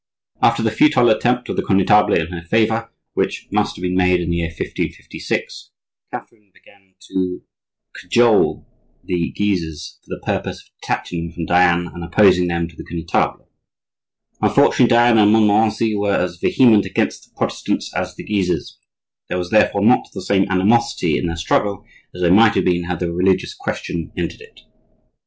After the futile attempt of the Connetable in her favor, which must have been made in the year 1556, Catherine began to cajole the Guises for the purpose of detaching them from Diane and opposing them to the Connetable. Unfortunately, Diane and Montmorency were as vehement against the Protestants as the Guises. There was therefore not the same animosity in their struggle as there might have been had the religious question entered it.